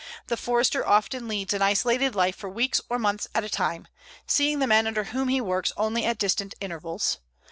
The Forester often leads an isolated life for weeks or months at a time, seeing the men under whom he works only at distant intervals.